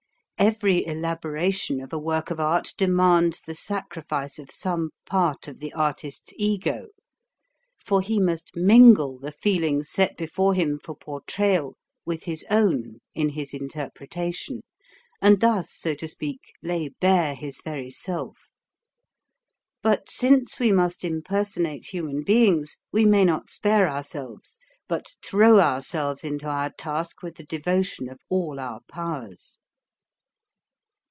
Every elaboration of a work of art demands the sac rifice of some part of the artist's ego, for he must mingle the feelings set before him for portrayal with his own in his interpretation, and thus, so to speak, lay bare his very self. But since we must impersonate human be ings, we may not spare ourselves, but throw ourselves into our task with the devotion of all our powers.